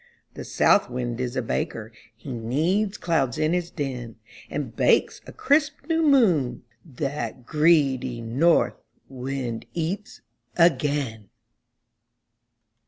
The South Wind is a baker. He kneads clouds in his den, And bakes a crisp new moon, that greedy North ... Wind ... eats ... again!